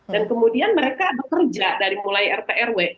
dan kemudian mereka bekerja dari mulai rt rw